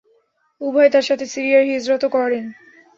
উভয়ে তার সাথে সিরিয়ায় হিজরতও করেন।